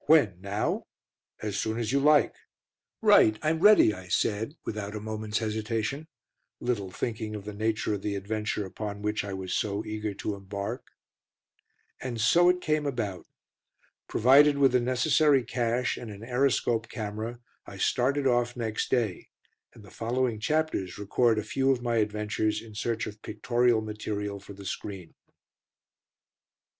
When? Now?" "As soon as you like." "Right, I'm ready," I said, without a moment's hesitation, little thinking of the nature of the adventure upon which I was so eager to embark. And so it came about. Provided with the necessary cash, and an Aeroscope camera, I started off next day, and the following chapters record a few of my adventures in search of pictorial material for the screen.